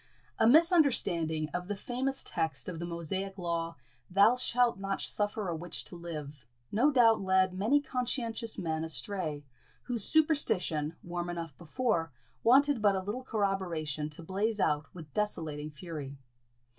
A misunderstanding of the famous text of the Mosaic law, "Thou shalt not suffer a witch to live," no doubt led many conscientious men astray, whose superstition, warm enough before, wanted but a little corroboration to blaze out with desolating fury.